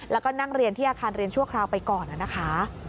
แล้วก็นั่งเรียนที่อาคารเรียนชั่วคราวไปก่อนนะคะ